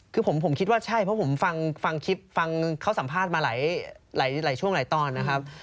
คือผมคิดว่าใช่เพราะผมฟังคลิปฟังเขาสัมภาษณ์มาหลายช่วงหลายตอนนะครับ